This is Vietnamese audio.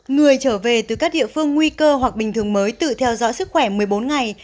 người trở về từ các địa phương nguy cơ hoặc bình thường mới tự theo dõi sức khỏe một mươi bốn ngày